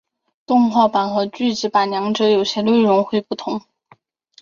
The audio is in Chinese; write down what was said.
动画版和剧集版两者有些内容会不同。